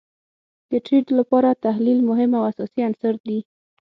د ټریډ لپاره تحلیل مهم او اساسی عنصر دي